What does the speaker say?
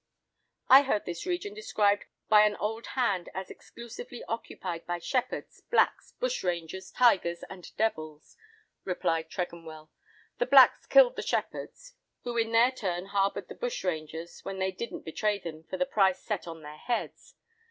"I heard this region described by an old hand as exclusively occupied by shepherds, blacks, bushrangers, tigers and devils," replied Tregonwell. "The blacks killed the shepherds, who in their turn harboured the bushrangers, when they didn't betray them for the price set on their heads.